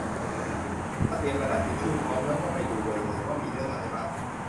ถ้าเตรียมกระดาษทิชชูพร้อมแล้วก็ไปดูกันเลยว่ามีเรื่องอะไรบ้าง